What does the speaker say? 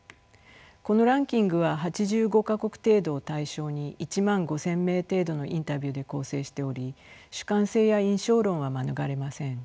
このランキングは８５か国程度を対象に１万５，０００名程度のインタビューで構成しており主観性や印象論は免れません。